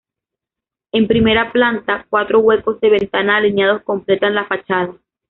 En primera planta, cuatro huecos de ventana alineados completan la fachada.